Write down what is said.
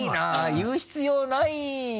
言う必要ない。